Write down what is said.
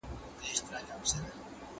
¬ خر هغه خر دئ، خو توبره ئې نوې سوې ده.